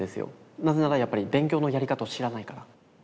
なぜならやっぱり勉強のやり方を知らないから。